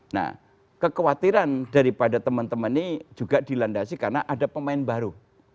nah kekhawatiran daripada teman teman ini juga dilandasi karena ada pemain baru